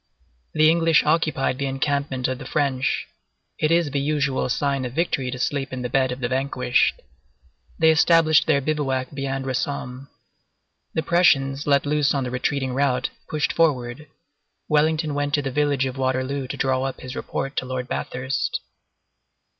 The English occupied the encampment of the French; it is the usual sign of victory to sleep in the bed of the vanquished. They established their bivouac beyond Rossomme. The Prussians, let loose on the retreating rout, pushed forward. Wellington went to the village of Waterloo to draw up his report to Lord Bathurst.